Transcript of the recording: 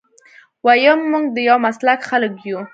ويم موږ د يو مسلک خلک يو.